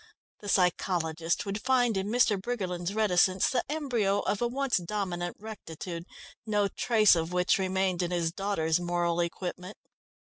The psychologist would find in Mr. Briggerland's reticence the embryo of a once dominant rectitude, no trace of which remained in his daughter's moral equipment.